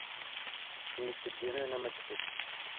nibiceri byemewe n'amategeko